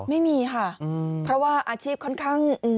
ไม่มีค่ะเพราะว่าอาชีพค่อนข้าง